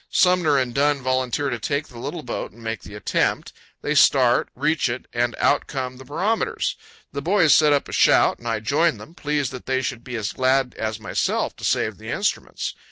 Sumner and Dunn volunteer to take the little boat and make the attempt. They start, reach it, and out come the barometers! The boys set up a shout, and I join them, pleased that they should be as glad as myself to save the instruments.